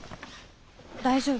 大丈夫？